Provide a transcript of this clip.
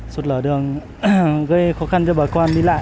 sạt lở đường gây khó khăn cho bà con đi lại